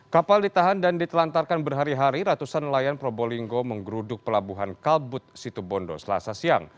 kapal ditahan dan ditelantarkan berhari hari ratusan nelayan probolinggo menggeruduk pelabuhan kalbut situbondo selasa siang